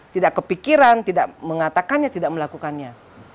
tidak kepikiran tidak mengatakannya tidak melakukannya